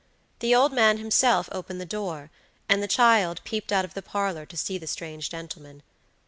The old man himself opened the door, and the child peeped out of the parlor to see the strange gentleman.